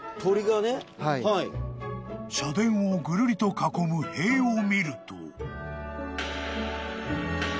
［社殿をぐるりと囲む塀を見ると］